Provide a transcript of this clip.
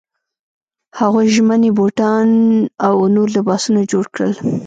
هغوی ژمني بوټان او نور لباسونه جوړ کړل.